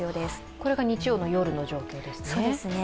これが日曜の夜の状況ですね。